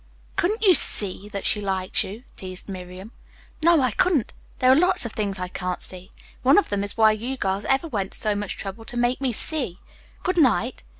"Couldn't you 'see' that she liked you?" teased Miriam. "No, I couldn't. There are lots of things I can't 'see.' One of them is why you girls ever went to so much trouble to make me 'see.' Good night."